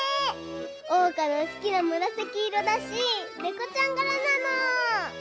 おうかのすきなむらさきいろだしネコちゃんがらなの！